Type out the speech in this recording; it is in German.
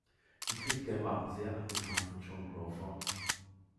Die Kritiker waren sehr angetan von Joan Crawford.